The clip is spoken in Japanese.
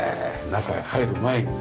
中へ入る前に。